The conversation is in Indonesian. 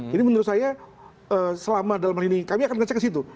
jadi menurut saya selama dalam hal ini kami akan mengecek ke situ